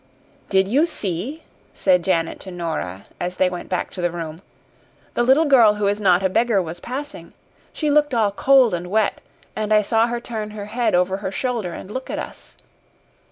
"Did you see," said Janet to Nora, as they went back to the room "the little girl who is not a beggar was passing? She looked all cold and wet, and I saw her turn her head over her shoulder and look at us.